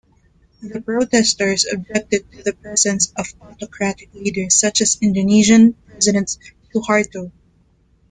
The protesters objected to the presence of autocratic leaders such as Indonesian president Suharto.